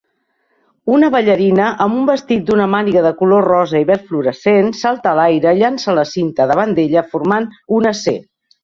Una ballarina, amb un vestit d"una màniga de color rosa i verd florescent, salta a l"aire i llança la cinta davant d"ella formant una c.